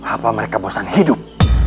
apa mereka bosan hidup